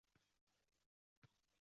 Darvin taʼlimoti notoʻgʻri.